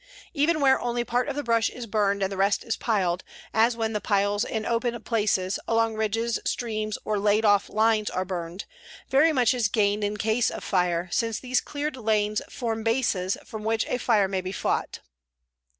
Even where only part of the brush is burned and the rest is piled, as when the piles in open places, along ridges, streams, or laid off lines are burned, very much is gained in case of fire, since these cleared lanes form bases from which a fire may be fought.